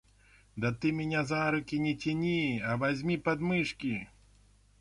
Да ты меня за руки не тяни, а возьми под мышки.